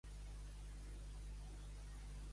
Qui va existir, primerament, a la Terra?